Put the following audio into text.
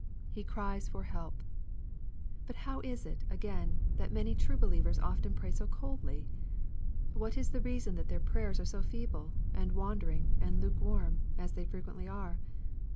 He cries for help. How is it, again, that many true believers often pray so coldly ? What is the reason that their prayers are so feeble, and wandering, and lukewarm, as they frequently are